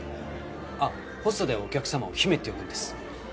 あっホストではお客様を姫って呼ぶんです。